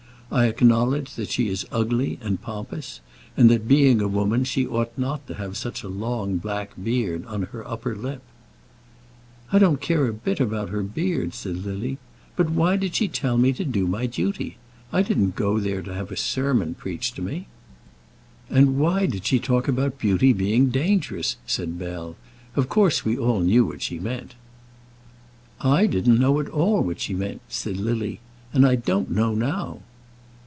I acknowledge that she is ugly, and pompous, and that, being a woman, she ought not to have such a long black beard on her upper lip." "I don't care a bit about her beard," said Lily. "But why did she tell me to do my duty? I didn't go there to have a sermon preached to me." "And why did she talk about beauty being dangerous?" said Bell. "Of course, we all knew what she meant." "I didn't know at all what she meant," said Lily; "and I don't know now."